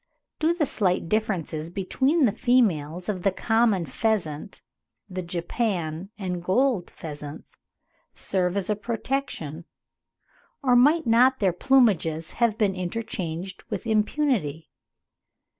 Do the slight differences between the females of the common pheasant, the Japan and gold pheasants, serve as a protection, or might not their plumages have been interchanged with impunity?